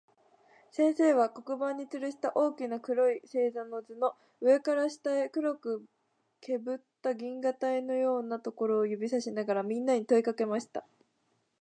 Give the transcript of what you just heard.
先生は、黒板に吊つるした大きな黒い星座の図の、上から下へ白くけぶった銀河帯のようなところを指さしながら、みんなに問といをかけました。